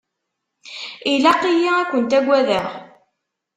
Ilaq-iyi ad kent-agadeɣ?